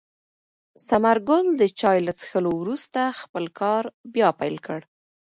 ثمر ګل د چای له څښلو وروسته خپل کار بیا پیل کړ.